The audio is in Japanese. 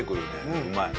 うまい。